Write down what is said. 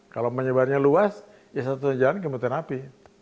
kalau menyebarnya luas ya satu satunya jalan ke kemoterapi